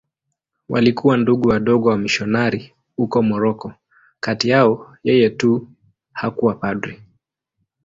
Walikuwa Ndugu Wadogo wamisionari huko Moroko.Kati yao yeye tu hakuwa padri.